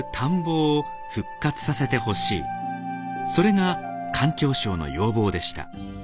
それが環境省の要望でした。